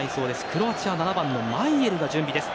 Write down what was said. クロアチア７番のマイェルが準備です。